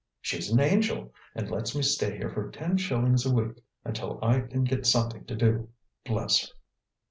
She's an angel, and lets me stay here for ten shillings a week until I can get something to do. Bless her!"